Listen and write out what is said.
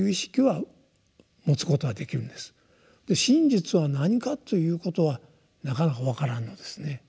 真実は何かということはなかなか分からんのですね。